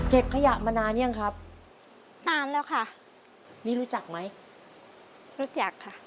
ขยะมานานยังครับนานแล้วค่ะนี่รู้จักไหมรู้จักค่ะ